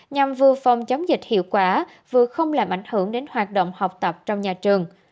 nhằm vừa phòng chống dịch hiệu quả vừa không làm ảnh hưởng đến hoạt động học tập trong nhà trường